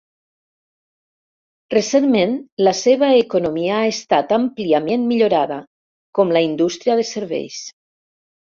Recentment la seva economia ha estat àmpliament millorada, com la indústria de serveis.